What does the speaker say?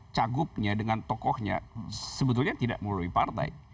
cagupnya dengan tokohnya sebetulnya tidak melalui partai